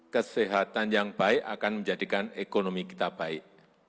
kesehatan yang baik akan menjadikan ekonomi kita baik